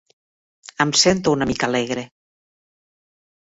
Em sento una mica alegre.